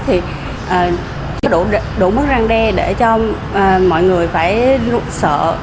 thì có đủ mức răng đe để cho mọi người phải sợ